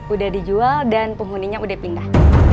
udah dijual dan penghuninya udah pindah